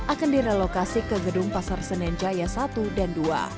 akan direlokasi ke gedung pasar senen jaya satu dan dua